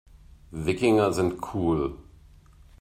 Wikinger sind cool.